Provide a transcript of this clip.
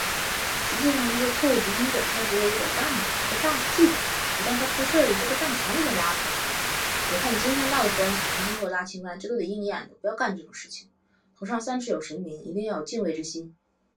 实际上那些错误执行者，他也是有一本账的，这个账是记在那儿的。一旦他出事了，这个账全给你拉出来了。别看你今天闹得欢，小心今后拉清单，这都得应验的。不要干这种事情。头上三尺有神明，一定要有敬畏之心。